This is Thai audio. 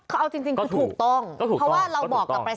เอาจริงก็ถูกต้อง